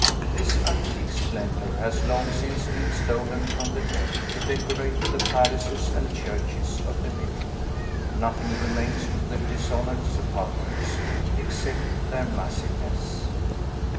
This antique splendor has long since been stolen from the dead, to decorate the palaces and churches of the living. Nothing remains to the dishonored sepulchres, except their massiveness.